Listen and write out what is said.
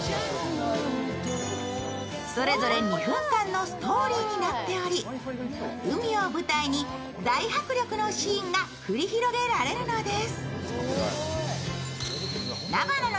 それぞれ２分間のストーリーになっており、海を舞台大迫力のシーンが繰り広げられるのです。